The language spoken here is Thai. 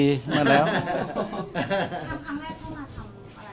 แล้วครั้งแรกเข้ามาทำอะไร